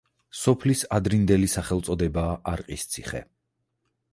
სოფლის ადრინდელი სახელწოდებაა არყისციხე.